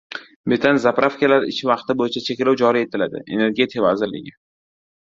Metan «zapravka»lar ish vaqti bo‘yicha cheklov joriy etiladi – Energetika vazirligi